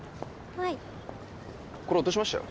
はいこれ落としましたよ